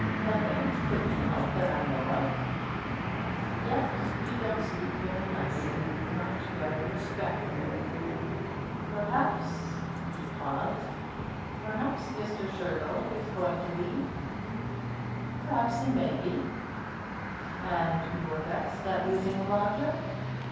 'Nothing's put me out, that I know of.' 'Yet you don't speak very nicely not very respectfully. Perhaps' he paused 'perhaps Mr. Shergold is going to leave?' 'P'r'aps he may be.' 'And you're vexed at losing a lodger.'